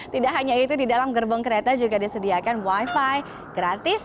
tidak hanya itu di dalam gerbong kereta juga disediakan wifi gratis